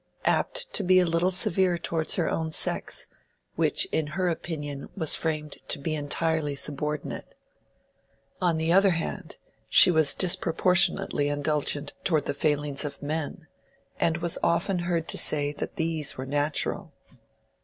—apt to be a little severe towards her own sex, which in her opinion was framed to be entirely subordinate. On the other hand, she was disproportionately indulgent towards the failings of men, and was often heard to say that these were natural.